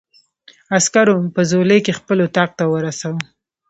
عسکرو په ځولۍ کې خپل اتاق ته ورساوه.